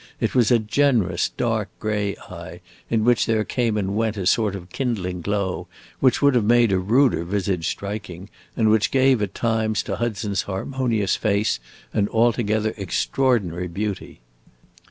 It was a generous dark gray eye, in which there came and went a sort of kindling glow, which would have made a ruder visage striking, and which gave at times to Hudson's harmonious face an altogether extraordinary beauty.